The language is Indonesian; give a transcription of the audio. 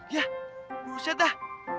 yah buset dah